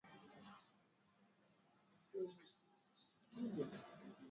Wakati mifugo wanapotembea pamoja mnyama kubaki nyuma ni dalili ya homa ya mapafu